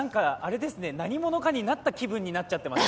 何者かになった気分になっちゃってます。